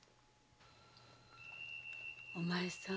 お前さん。